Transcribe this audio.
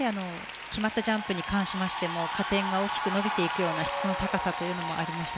決まったジャンプに関しても加点が大きく伸びていくような質の高さがありました。